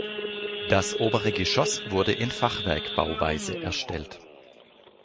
Das obere Geschoss wurde in Fachwerkbauweise erstellt.